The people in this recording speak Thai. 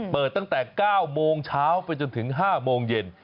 เปิดตั้งแต่๙โมงเช้าไปจนถึง๕โมงเย็น